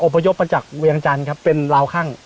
พยพมาจากเวียงจันทร์ครับเป็นลาวข้าง